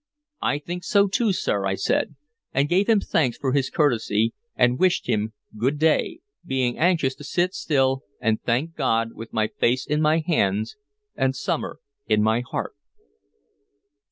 "I think so too, sir," I said, and gave him thanks for his courtesy, and wished him good day, being anxious to sit still and thank God, with my face in my hands and summer in my heart.